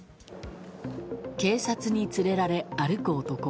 警察に連れられ歩く男。